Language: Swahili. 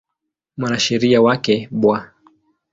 Mwanasheria wake Bw.